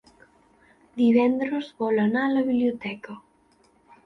Divendres vol anar a la biblioteca.